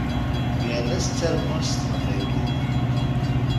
Yal ass ttargun s teqbaylit.